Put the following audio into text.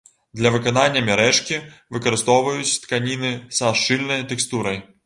Для выканання мярэжкі выкарыстоўваюць тканіны са шчыльнай тэкстурай.